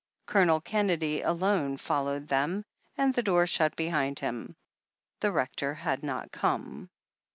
Colonel Kennedy, alone, fol lowed them, and the door shut behind him. The Rector had not come.